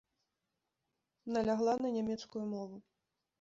Налягла на нямецкую мову.